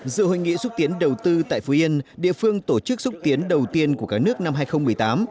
dự hội nghị xúc tiến đầu tư tại phú yên địa phương tổ chức xúc tiến đầu tiên của cả nước năm hai nghìn một mươi tám